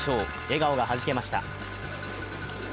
笑顔がはじけました。